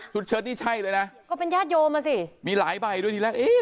เชิดนี่ใช่เลยนะก็เป็นญาติโยมอ่ะสิมีหลายใบด้วยทีแรกเอ๊ะ